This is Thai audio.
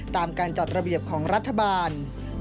การจัดระเบียบของรัฐบาล